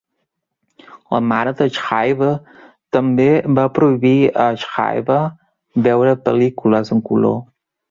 La mare de Schreiber també va prohibir a Schreiber veure pel·lícules en color.